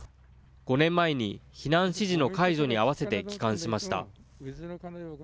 ５年前に避難指示の解除に合わせて帰還しました。